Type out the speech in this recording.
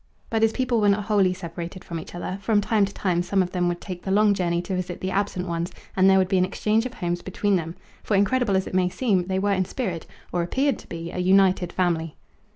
But his people were not wholly separated from each other; from time to time some of them would take the long journey to visit the absent ones and there would be an exchange of homes between them. For, incredible as it may seem, they were in spirit, or appeared to be, a united family.